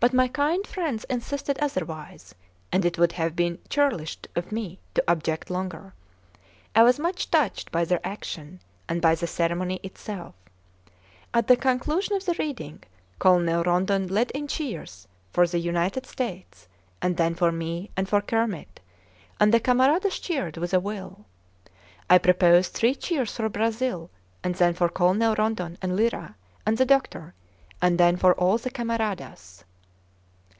But my kind friends insisted otherwise, and it would have been churlish of me to object longer. I was much touched by their action, and by the ceremony itself. At the conclusion of the reading Colonel Rondon led in cheers for the United States and then for me and for Kermit; and the camaradas cheered with a will. I proposed three cheers for Brazil and then for Colonel Rondon, and Lyra, and the doctor, and then for all the camaradas.